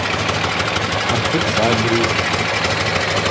Акыт сгӏадритӏ.